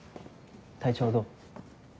体調どう？